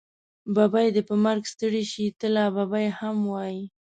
ببۍ دې په مرګ ستړې شې، ته لا ببۍ هم وی.